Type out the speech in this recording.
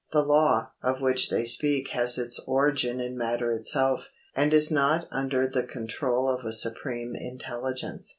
The "law" of which they speak has its origin in matter itself, and is not under the control of a Supreme Intelligence.